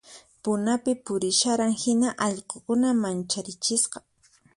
Punapi purisharan hina allqukuna mancharichisqa